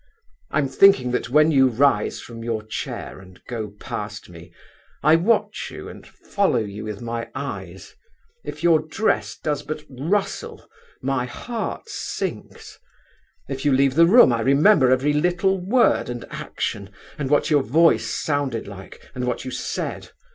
'I'm thinking that when you rise from your chair and go past me, I watch you, and follow you with my eyes; if your dress does but rustle, my heart sinks; if you leave the room, I remember every little word and action, and what your voice sounded like, and what you said.